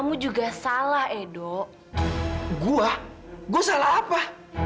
gua gua salah apa